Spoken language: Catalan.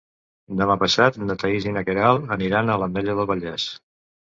Demà passat na Thaís i na Queralt aniran a l'Ametlla del Vallès.